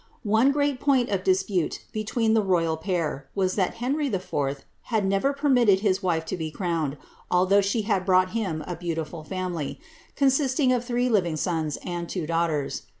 One great point of dispute between the royal pair, was that Henry IV. had never permitted his wife to be crowned, although she had brought him a beautiful fiunily, consisting of three living sons and two daughters.